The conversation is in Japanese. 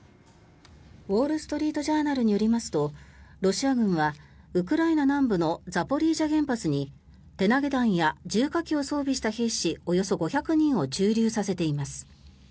ウォール・ストリート・ジャーナルによりますとロシア軍はウクライナ南部のザポリージャ原発に手投げ弾や重火器を装備した兵士およそ５００人を駐留させています。